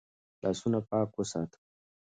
لاسونه پاک وساته.